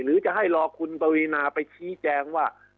หรือจะให้รอคุณปวีนาไปชี้แจงว่า